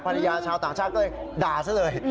ชาวต่างชาติก็เลยด่าซะเลย